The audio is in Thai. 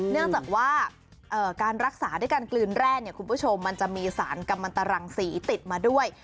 เนื่องจากว่าการรักษาด้วยการกลืนแร่เนี่ยคุณผู้ชมมันจะมีสารกำมันตรังสีติดมาด้วย